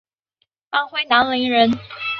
安徽南陵人。